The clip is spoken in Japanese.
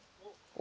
お。